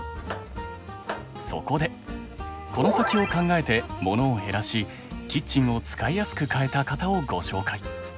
そこでコノサキを考えてモノを減らしキッチンを使いやすく変えた方をご紹介。